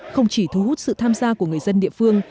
không chỉ thu hút sự tham gia của người dân địa phương